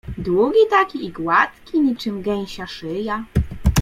Długi taki i gładki, niczym gęsia szyja.